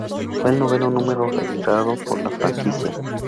Fue el noveno número retirado por la franquicia.